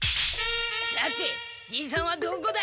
さてじいさんはどこだ？